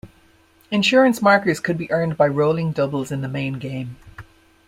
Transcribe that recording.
Insurance markers could be earned by rolling doubles in the main game.